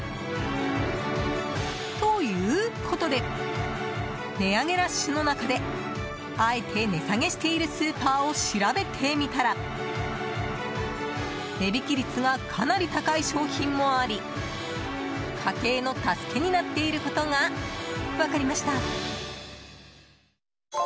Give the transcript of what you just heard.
ということで値上げラッシュの中であえて値下げしているスーパーを調べてみたら値引き率がかなり高い商品もあり家計の助けになっていることが分かりました。